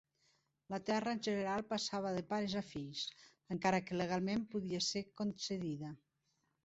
La terra en general passava de pares a fills, encara que legalment podia ser concedida.